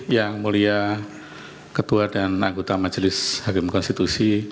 yang mulia ketua dan anggota majelis hakim konstitusi